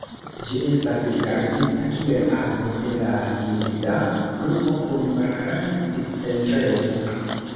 Ĝi estas rigardita kiel ano de la Hilda grupo kun malgranda discentreco.